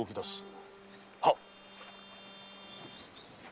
はっ！